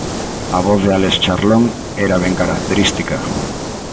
A voz de Alex Charlón era ben característica.